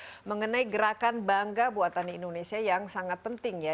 saya ingin bahas mengenai gerakan bangga buatan indonesia yang sangat penting ya